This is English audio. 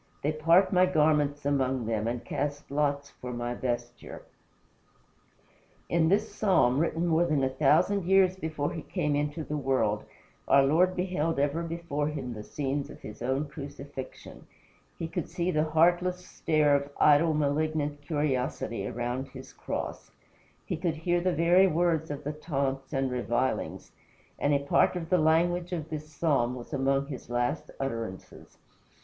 They part my garments among them And cast lots for my vesture." In this Psalm, written more than a thousand years before he came into the world, our Lord beheld ever before him the scenes of his own crucifixion; he could see the heartless stare of idle, malignant curiosity around his cross; he could hear the very words of the taunts and revilings, and a part of the language of this Psalm was among his last utterances.